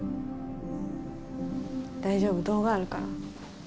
大丈夫動画あるから。